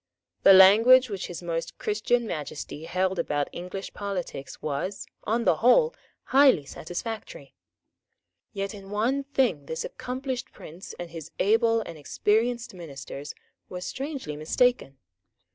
The language which His Most Christian Majesty held about English politics was, on the whole, highly satisfactory. Yet in one thing this accomplished prince and his able and experienced ministers were strangely mistaken.